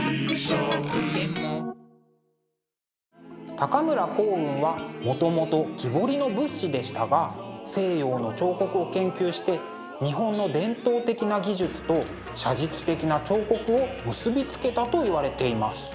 高村光雲はもともと木彫りの仏師でしたが西洋の彫刻を研究して日本の伝統的な技術と写実的な彫刻を結び付けたといわれています。